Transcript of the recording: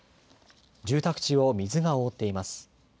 住宅地を水が覆っています。